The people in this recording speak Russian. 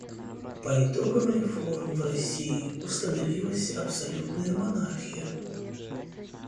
По итогам реформ в России установилась абсолютная монархия.